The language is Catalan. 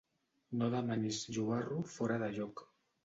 No demanis llobarro fora de lloc.